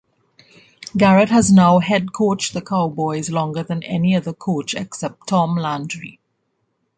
Garrett has now head-coached the Cowboys longer than any other coach except Tom Landry.